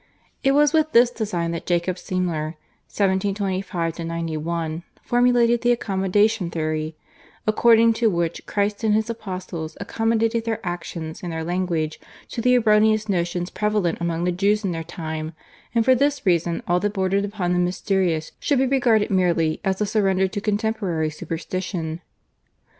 It was with this design that Jacob Semler (1725 91) formulated the Accommodation Theory, according to which Christ and His Apostles accommodated their actions and their language to the erroneous notions prevalent among the Jews in their time, and for this reason all that bordered upon the mysterious should be regarded merely as a surrender to contemporary superstition.